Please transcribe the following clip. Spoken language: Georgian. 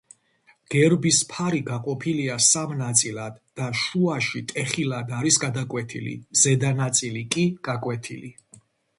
გერბის ფარი გაყოფილია სამ ნაწილად და შუაში ტეხილად არის გადაკვეთილი, ზედა ნაწილი კი გაკვეთილი.